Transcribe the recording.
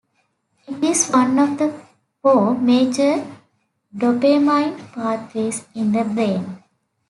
It is one of the four major dopamine pathways in the brain.